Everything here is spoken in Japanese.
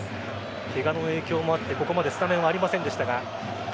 ケガの影響もあってここまでスタメンはありませんでしたが。